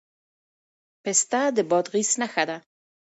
پسته د بادغیس نښه ده.